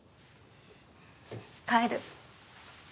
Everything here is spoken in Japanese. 帰る。